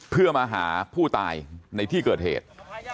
เพื่อมาหาผู้ตายในที่เกิดเหตุ